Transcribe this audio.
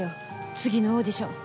次のオーディション。